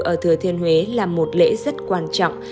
ở thừa thiên huế là một lễ rất quan trọng